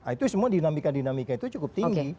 itu semua dinamika dinamika itu cukup tinggi